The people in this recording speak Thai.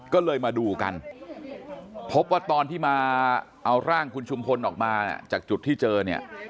ก็เลยมาดูกันพบว่าตอนที่มาเอาร่างคุณชุมพลออกมาจากจุดที่เจอเนี่ย